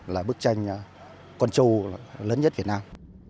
là bức tranh con trâu lớn nhất việt nam